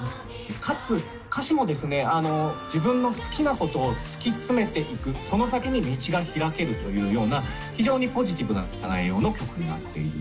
かつ歌詞もですね、自分の好きなことを突き詰めていく、その先に道が開けるというような、非常にポジティブな内容の曲になっている。